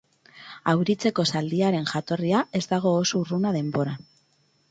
Auritzeko zaldiaren jatorria ez dago oso urruna denboran.